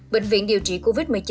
bệnh viện điều trị covid một mươi chín